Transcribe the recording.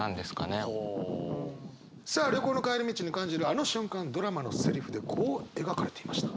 さあ旅行の帰り道に感じるあの瞬間ドラマのセリフでこう描かれていました。